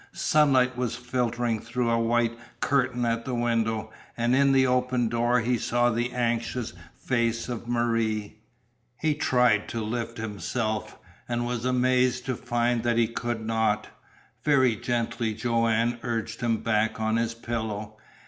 Sunlight was filtering through a white curtain at the window, and in the open door he saw the anxious face of Marie. He tried to lift himself, and was amazed to find that he could not. Very gently Joanne urged him back on his pillow.